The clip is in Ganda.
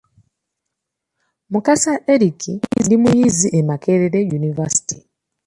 Mukasa Eric ndi muyizi e Makekere University.